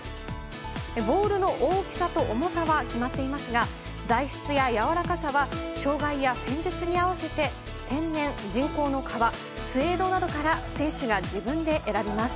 ボールの大きさと重さは決まっていますが材質や、やわらかさは障害や戦術に合わせて天然・人工の革スエードなどから選手が自分で選びます。